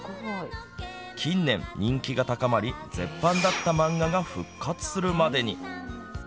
近年、人気が高まり絶版だった漫画が復活するまでに。